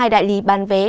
hai đại lý bán vé